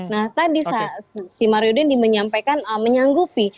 nah tadi si mario dendi menyampaikan menyanggupi